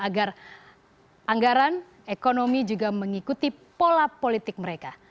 agar anggaran ekonomi juga mengikuti pola politik mereka